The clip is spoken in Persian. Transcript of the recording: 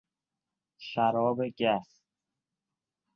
شراب گس